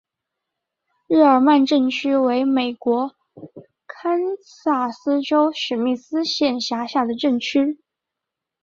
日耳曼镇区为美国堪萨斯州史密斯县辖下的镇区。